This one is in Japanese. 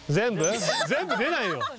全部出ないよ